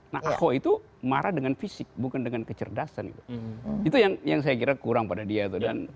nah ahok itu marah dengan fisik bukan dengan kecerdasan gitu itu yang saya kira kurang pada dia tuh